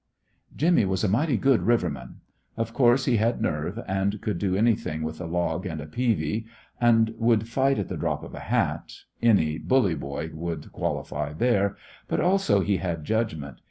Jimmy was a mighty good riverman. Of course he had nerve, and could do anything with a log and a peavy, and would fight at the drop of a hat any "bully boy" would qualify there but also he had judgment.